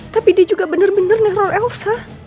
tapi dia juga bener bener neror elsa